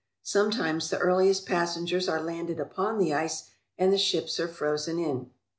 Sometimes the earliest passengers are landed upon the ice and the ships are frozen in.